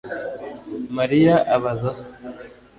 Mariya abaza se